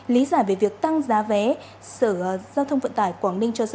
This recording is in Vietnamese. lý giải về việc tăng giá vé sở giao thông vận tải quảng ninh cho ra